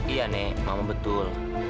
iya nek mama betul